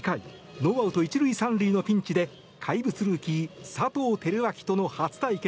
ノーアウト１塁３塁のピンチで怪物ルーキー、佐藤輝明との初対決。